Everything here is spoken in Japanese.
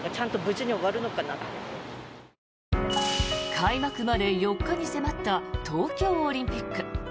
開幕まで４日に迫った東京オリンピック。